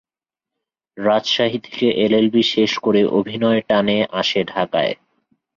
রাজশাহী থেকে এলএলবি শেষ করে অভিনয়ের টানে আসে ঢাকায়।